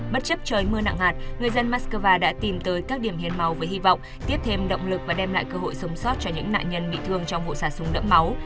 bất chấp trời mưa nặng hạt người dân moscow đã tìm tới các điểm hiến máu với hy vọng tiếp thêm động lực và đem lại cơ hội sống sót cho những nạn nhân bị thương trong vụ xả súng đẫm máu